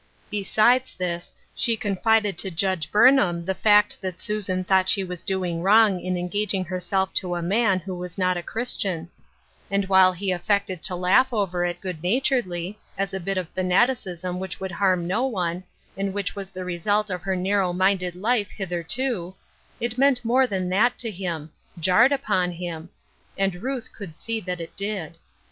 Betfides this, she confided to Judge Burnham the fp ct that Susan thought she was doing wrong in engsiging herself to a man who was not & Christian ; and, while he affected to laugh over % good naturedly, as a bit of fanaticism which would harm no one, and which was the result of her narrow minded life hitherto, it meant more than that to him — jarred upon him — and Ruth could see that it did.